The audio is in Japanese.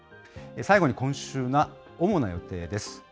最後に今週の主な予定です。